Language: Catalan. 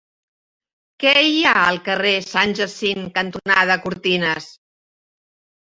Què hi ha al carrer Sant Jacint cantonada Cortines?